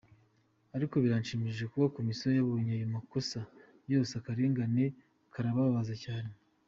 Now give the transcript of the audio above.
ariko birashimishije kuba commission yabonye ayo makosa ryose akarengane karababaza cyanee.